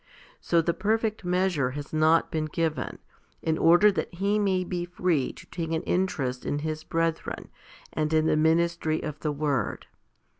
So the perfect measure has not been given, in order that he may be free to take an interest in his brethren, and in the ministry of the word.